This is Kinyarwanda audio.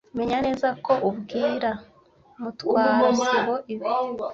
Menya neza ko ubwira Mutwara sibo ibi.